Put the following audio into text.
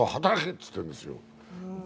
と言っているんですよ。